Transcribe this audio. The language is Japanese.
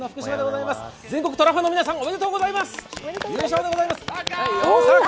全国虎党の皆さん、おめでとうございます！